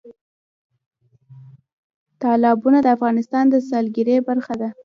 تالابونه د افغانستان د سیلګرۍ برخه ده.